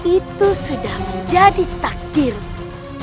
itu sudah menjadi takdirmu